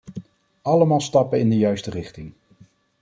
Allemaal stappen in de juiste richting.